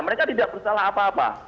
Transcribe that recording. mereka tidak bersalah apa apa